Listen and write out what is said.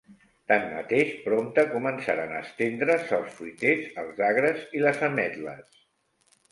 Tanmateix, prompte començaren a estendre's els fruiters, els agres i les ametles.